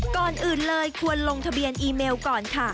ก่อนอื่นเลยควรลงทะเบียนอีเมลก่อนค่ะ